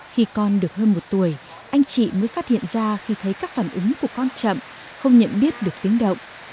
khi con được hơn một tuổi anh chị mới phát hiện ra khi thấy các phản ứng của con chậm không nhận biết được tiếng động